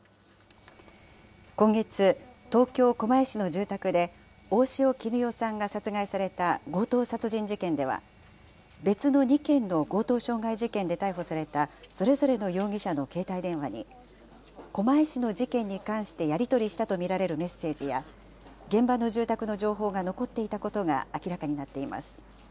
今月、東京・狛江市の住宅で、大塩衣與さんが殺害された強盗殺人事件では、別の２件の強盗傷害事件で逮捕されたそれぞれの容疑者の携帯電話に、狛江市の事件に関してやり取りしたと見られるメッセージや、現場の住宅の情報が残っていたことが明らかになっています。